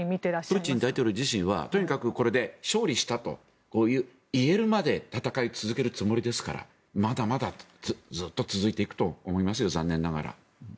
プーチン大統領自身はとにかくこれで勝利したと言えるまで戦い続けるつもりですからまだまだずっと続いていくと思いますよ残念ながら。